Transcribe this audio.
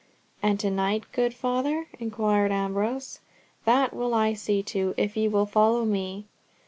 "And to night, good Father?" inquired Ambrose. "That will I see to, if ye will follow me."